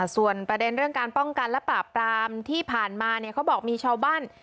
ส่วนประเด็นเรื่องการป้องกันและปราบปรามที่ผ่านมาเนี่ยเขาบอกมีชาวบ้าน